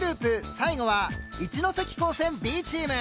最後は一関高専Ｂチーム。